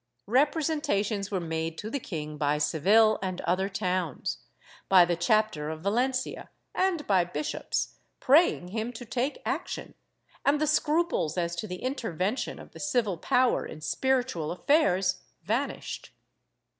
Repre sentations were made to the king by Seville and other towns, by the chapter of Valencia, and by bishops, praying him to take action, and the scruples as to the intervention of the civil power in spiritual affairs vanished.